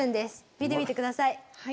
見てみてください。